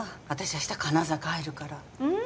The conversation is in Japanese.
明日金沢帰るからうん？